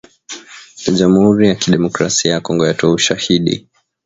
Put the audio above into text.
Jamhuri ya Kidemokrasia ya Kongo yatoa ‘ushahidi’